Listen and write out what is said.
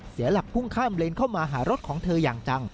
เสียหลักพุ่งข้ามเลนเข้ามาหารถของเธออย่างจัง